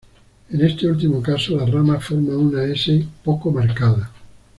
En este último caso, la rama forma una ese poco marcada.